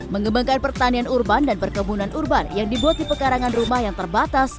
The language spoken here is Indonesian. mengembangkan pertanian urban dan perkebunan urban yang dibuat di pekarangan rumah yang terbatas